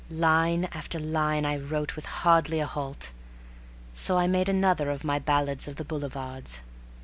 Line after line I wrote with hardly a halt. So I made another of my Ballads of the Boulevards.